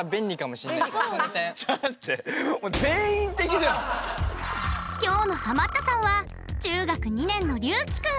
きょうのハマったさんは中学２年のりゅうきくん！